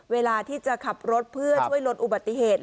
เวลาที่จะขับรถเพื่อช่วยลดอุบัติเหตุ